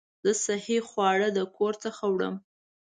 زه صحي خواړه د کور څخه وړم.